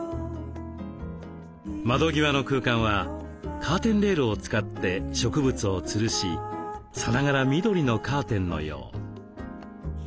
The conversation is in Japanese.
窓際の空間はカーテンレールを使って植物をつるしさながら緑のカーテンのよう。